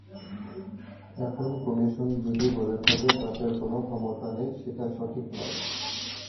এখন কমিশন যদি বলে থাকে, তাদের কোনো ক্ষমতা নেই, সেটা সঠিক নয়।